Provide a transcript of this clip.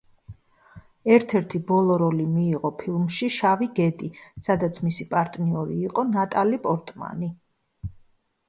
ერთ-ერთი ბოლო როლი მიიღო ფილმში „შავი გედი“, სადაც მისი პარტნიორი იყო ნატალი პორტმანი.